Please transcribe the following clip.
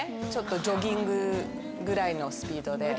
ジョギングぐらいのスピードで。